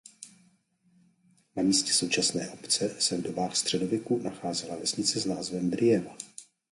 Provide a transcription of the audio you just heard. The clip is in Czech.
Na místě současné obce se v dobách středověku nacházela vesnice s názvem "Drijeva".